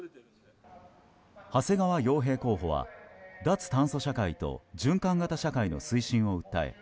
長谷川洋平候補は、脱炭素社会と循環型社会の推進を訴え